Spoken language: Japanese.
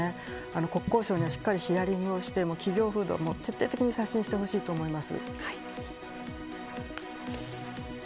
国交省にはしっかりヒアリングをしてもらって企業風土を徹底的に刷新してもらいたいです。